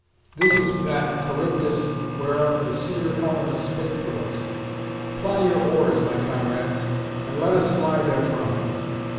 this is that Charybdis whereof the seer Helenus spake to us. Ply your oars, my comrades, and let us fly therefrom."